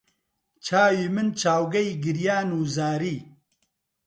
چاوی من چاوگەی گریان و زاری